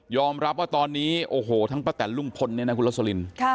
รับว่าตอนนี้โอ้โหทั้งป้าแตนลุงพลเนี่ยนะคุณลสลิน